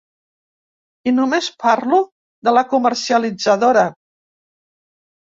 I només parlo de la comercialitzadora.